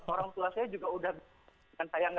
orang tua saya juga udah